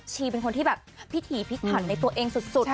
เป็นคนที่แบบพิถีพิถันในตัวเองสุด